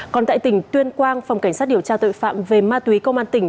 còn tại tỉnh tuyên quang phòng cảnh sát điều tra tội phạm về ma túy công an tỉnh